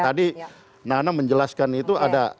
tadi nana menjelaskan itu